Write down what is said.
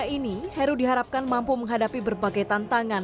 selama ini heru diharapkan mampu menghadapi berbagai tantangan